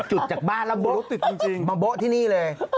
จุดจากบ้านแล้วโบ๊ะจริงมาโบ๊ะที่นี่เลย